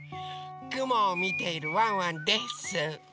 くもをみているワンワンです。